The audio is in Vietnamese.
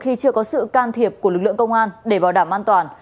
khi chưa có sự can thiệp của lực lượng công an để bảo đảm an toàn